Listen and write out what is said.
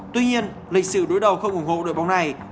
tuy nhiên lịch sử đối đầu không ủng hộ đội bóng này